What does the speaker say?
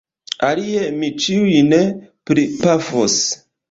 Alie mi ĉiujn pripafos!